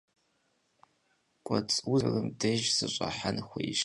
K'uets' vuzxem yê'eze doxutırım dêjj sış'ıhen xuêyş.